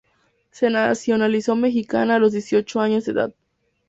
Se nacionalizó mexicana a los dieciocho años de edad.